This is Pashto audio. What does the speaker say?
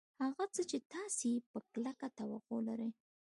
هغه څه چې تاسې یې په کلکه توقع لرئ